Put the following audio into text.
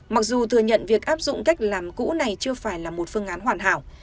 mặc dù thừa nhận việc áp dụng cách làm cũ này chưa phải là một phương án hoàn hảo